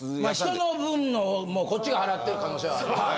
人の分のもこっちが払ってる可能性はあるわな。